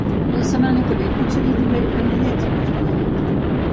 La setmana que ve potser li duré panellets a l'Ismael